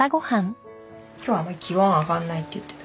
今日あまり気温上がんないって言ってた。